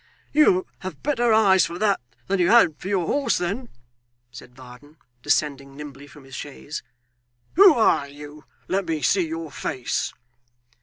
'You have better eyes for that than you had for your horse, then,' said Varden, descending nimbly from his chaise; 'who are you? Let me see your face.